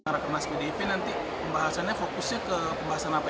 rekonansi bdiv nanti fokusnya ke pembahasan apa